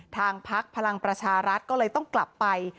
พักพลังประชารัฐก็เลยต้องกลับไป